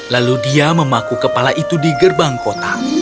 lalu dia memaku kepala itu di gerbang kota